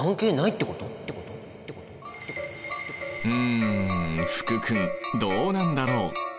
うん福君どうなんだろう？